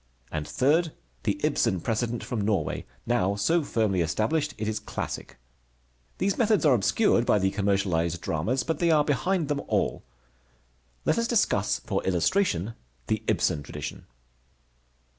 And third, the Ibsen precedent from Norway, now so firmly established it is classic. These methods are obscured by the commercialized dramas, but they are behind them all. Let us discuss for illustration the Ibsen tradition.